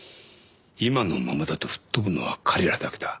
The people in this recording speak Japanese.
今のままだと吹っ飛ぶのは彼らだけだ。